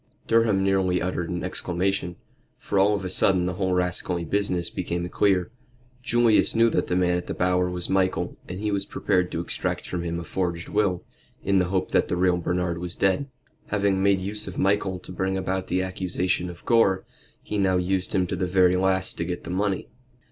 Durham nearly uttered an exclamation, for all of a sudden the whole rascally business became clear. Julius knew that the man at the Bower was Michael, and he was prepared to extract from him a forged will, in the hope that the real Bernard was dead. Having made use of Michael to bring about the accusation of Gore, he now used him to the very last to get the money.